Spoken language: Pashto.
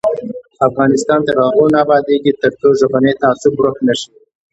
افغانستان تر هغو نه ابادیږي، ترڅو ژبنی تعصب ورک نشي.